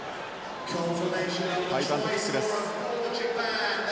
ハイパントキックです。